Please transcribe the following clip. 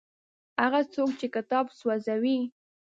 هغه څوک چې کتاب سوځوي.